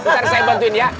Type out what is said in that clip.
nanti saya bantuin ya